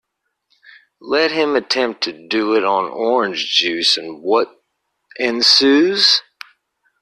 Let him attempt to do it on orange juice, and what ensues?